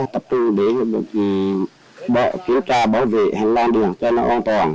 tập trung đến bộ kiểm tra bảo vệ hành lang đường cho nó an toàn